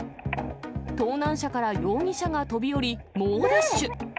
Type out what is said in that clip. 盗難車から容疑者が飛び降り、猛ダッシュ。